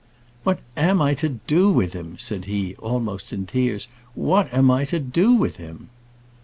"What am I to do with him?" said he, almost in tears: "what am I to do with him?"